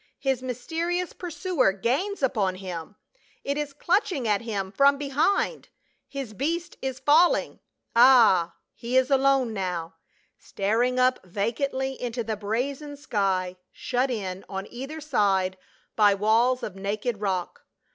His mysterious pursuer gains upon him ; it is clutching at him from behind ; his beast is falling. Ah, he is alone now, staring up vacantly into the brazen sky, shut in on either side by walls of naked rock.